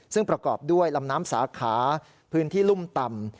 ซึ่งประกอบด้วยลำน้ำสาขาพื้นที่รุ่มต่ำ